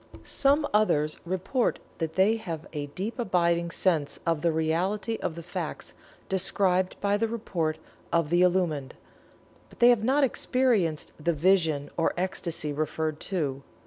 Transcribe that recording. Some others report that they have a deep abiding sense of the reality of the facts described by the report of the Illumined, but have not experienced the "vision" or ecstasy referred to.